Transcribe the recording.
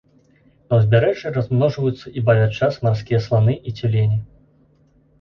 На ўзбярэжжы размножваюцца і бавяць час марскія сланы і цюлені.